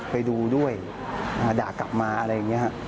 ไปดูด้วยด่ากลับมาอะไรอย่างนี้ครับ